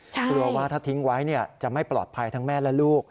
กลัวว่าถ้าทิ้งไว้จะไม่ปลอดภัยทั้งแม่และลูก